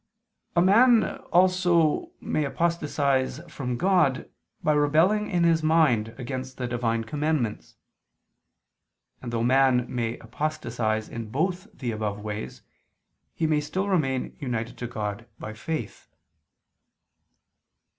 A man may also apostatize from God, by rebelling in his mind against the Divine commandments: and though man may apostatize in both the above ways, he may still remain united to God by faith.